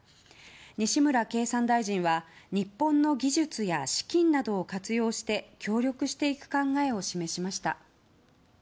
西村経産大臣は日本の技術や資金などを活用して協力していく考えを示しました。